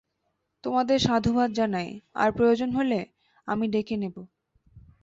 তোমাদের সাধুবাদ জানাই, আর প্রয়োজন হলে, আমি ডেকে নেবো।